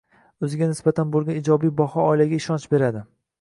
O‘ziga nisbatan bo‘lgan ijobiy baho bolaga ishonch beradi.